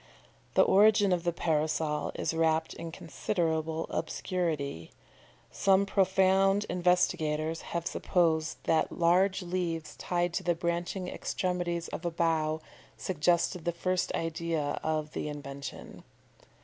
The origin of the Parasol is wrapped in considerable obscurity. Some profound investigators have supposed that large leaves tied to the branching extremities of a bough suggested the first idea of the invention.